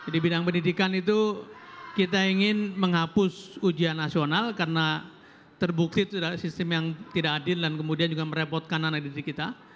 di bidang pendidikan itu kita ingin menghapus ujian nasional karena terbukti sistem yang tidak adil dan kemudian juga merepotkan anak didik kita